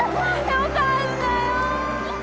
よかったよ！